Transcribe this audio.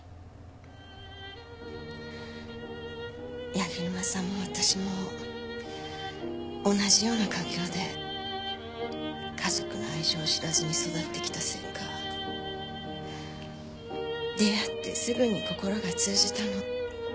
柳沼さんも私も同じような環境で家族の愛情を知らずに育ってきたせいか出会ってすぐに心が通じたの。